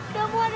kamu ada di mana